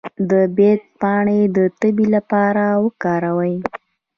د بید پاڼې د تبې لپاره وکاروئ